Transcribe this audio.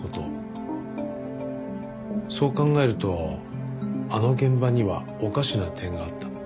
そう考えるとあの現場にはおかしな点があった。